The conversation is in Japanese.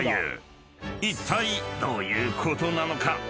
［いったいどういうことなのか？］